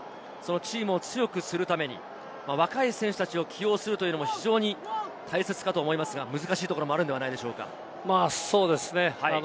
そのチームを強くするために若い選手たちを起用するというのも非常に大切かと思いますが、難しいところもあるんじゃないですか？